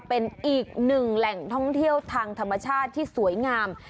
เป็นอีกหนึ่งแหล่งท่องเที่ยวทางธรรมชาติที่สวยงาม